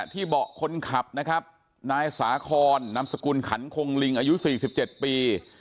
เบาะคนขับนะครับนายสาคอนนามสกุลขันคงลิงอายุ๔๗ปี